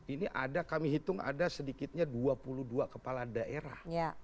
ini ada kami hitung ada sedikitnya dua puluh dua kepala daerah